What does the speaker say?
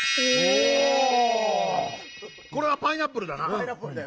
これは「パイナップル」だな！